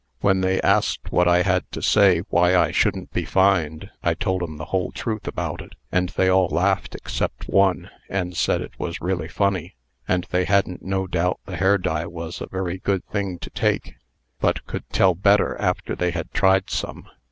When they asked what I had to say why I shouldn't be fined, I told 'em the whole truth about it, and they all laughed except one, and said it was really funny, and they hadn't no doubt the hair dye was a very good thing to take, but could tell better after they had tried some.